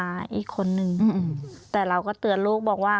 อีกคนนึงแต่เราก็เตือนลูกบอกว่า